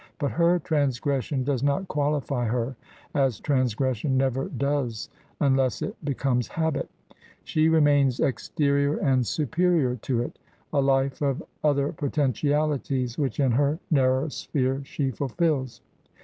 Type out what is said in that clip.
But her trans gression does not qualify her, as transgression never does unless it becomes habdt. She remains exterior; and superior to it, a life of other potentialities, which in her narrow sphere she fulfils.